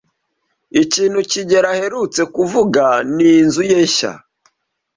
Ikintu kigeli aherutse kuvuga ni inzu ye nshya.